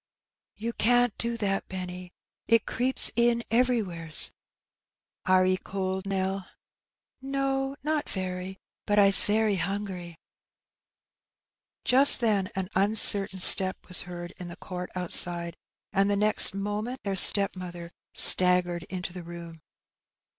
'^You can^t dcKthat, Benny; it creeps in everywheres.^ oenny ; iii creeps in ever^wiierea, ''Are ^e cold, Nell?^^ "No, not very; but Fs very hungry.*' Just then an uncertain step was heard in the court outside, and the next moment their stepmother staggered into the room.